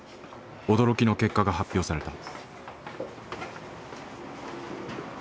驚きの結果が発表された。